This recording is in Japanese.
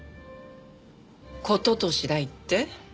事と次第って？